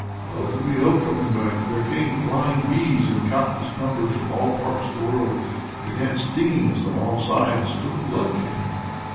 "How could we help coming back? There came flying bees in countless numbers from all parts of the world, and began stinging us on all sides till the blood came!"